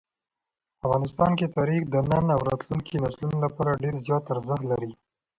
افغانستان کې تاریخ د نن او راتلونکي نسلونو لپاره ډېر زیات ارزښت لري.